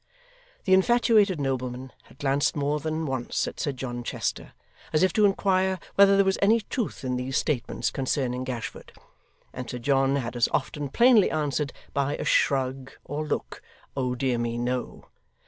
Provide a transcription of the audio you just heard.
The infatuated nobleman had glanced more than once at Sir John Chester, as if to inquire whether there was any truth in these statements concerning Gashford, and Sir John had as often plainly answered by a shrug or look, 'Oh dear me! no.